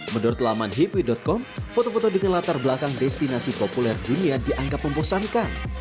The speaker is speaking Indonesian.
menurut laman hipwi com foto foto dengan latar belakang destinasi populer dunia dianggap membosankan